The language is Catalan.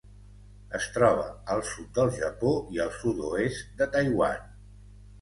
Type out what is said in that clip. Es troba al sud del Japó i al sud-oest de Taiwan.